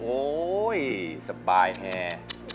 โอ้ยสบายแทน